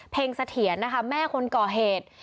เสถียรนะคะแม่คนก่อเหตุ